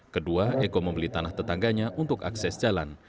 kedua eko membeli tanah tetangganya untuk akses jalan